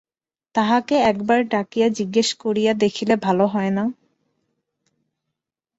তাঁহাকে একবার ডাকিয়া জিজ্ঞাসা করিয়া দেখিলে ভালো হয় না?